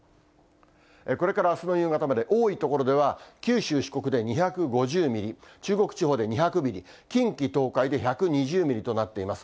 これからあすの夕方まで、多い所では、九州、四国で２５０ミリ、中国地方で２００ミリ、近畿、東海で１２０ミリとなっています。